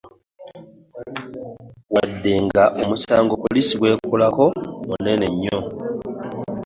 Wadde nga omusango poliisi gwekolako munene nnyo.